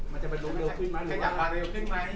มันจะมันลงเร็วขึ้นมั้ย